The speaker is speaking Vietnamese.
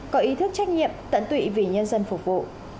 có ý thức trách nhiệm tận tụy vì nhân dân phục vụ